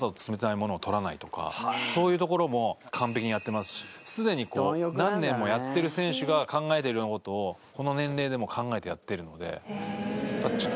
そういうところも完璧にやってますしすでに何年もやっている選手が考えてるような事をこの年齢でもう考えてやってるので。